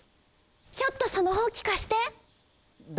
ちょっとそのほうきかして。